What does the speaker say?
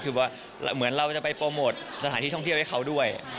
คือว่าเหมือนเราจะไปโปรโมทสถานที่ท่องเที่ยวให้เขาด้วย